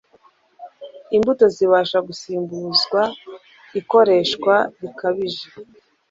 Imbuto zibasha gusimbuzwa ikoreshwa rikabije